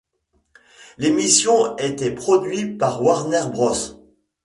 L'émission était produite par Warner Bros.